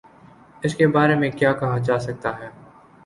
اس کے بارے میں کیا کہا جا سکتا ہے۔